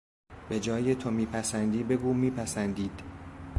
به جای تو میپسندی بگو میپسندید